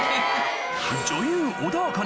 女優小田茜